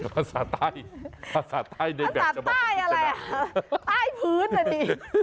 ภาษาใต้ภาษาใต้ในแบบจะบอกว่าภาษาใต้อะไรใต้พื้นอ่ะนี่